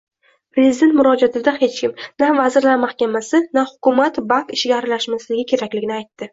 Prezident murojaatida hech kim, na Vazirlar Mahkamasi, na hukumat bank ishiga aralashmasligi kerakligini aytdi